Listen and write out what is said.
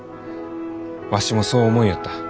わしもそう思いよった。